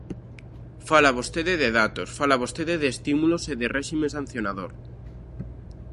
Fala vostede de datos, fala vostede de estímulos e de réxime sancionador.